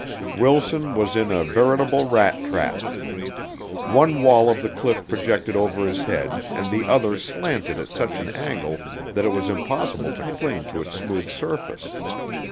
Wilson was in a veritable rat trap. One wall of the cliff projected over his head and the other slanted at such an angle that it was impossible to cling to its smooth surface.